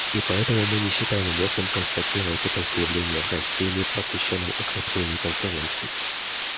И поэтому мы не считаем уместным констатировать это заявление в разделе, посвященном укреплению Конференции.